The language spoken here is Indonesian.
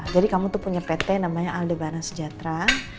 jadi kamu tuh punya pt namanya aldebana sejahtera